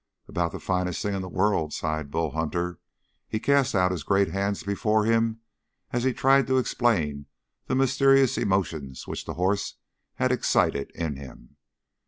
"About the finest thing in the world," sighed Bull Hunter. He cast out his great hands before him as he tried to explain the mysterious emotions which the horse had excited in him.